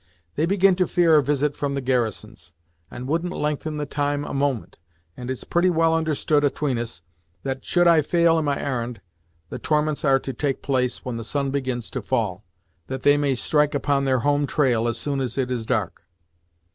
They begin to fear a visit from the garrisons, and wouldn't lengthen the time a moment, and it's pretty well understood atween us that, should I fail in my ar'n'd, the torments are to take place when the sun begins to fall, that they may strike upon their home trail as soon as it is dark."